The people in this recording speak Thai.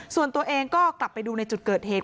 ส่วนตัวเองก็กลับไปดูในจุดเกิดเหตุ